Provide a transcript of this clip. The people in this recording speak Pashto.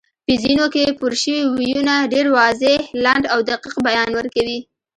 په ځینو کې پورشوي ویونه ډېر واضح، لنډ او دقیق بیان ورکوي